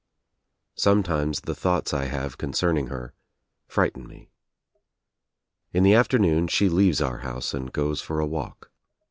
Some times the thoughts I have concerning her frighten me. In the afternoon she leaves our house and goes for a walk.